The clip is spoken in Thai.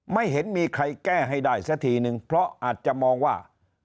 ไม่เห็นมีใครแก้ให้ได้สักทีนึงเพราะอาจจะมองว่า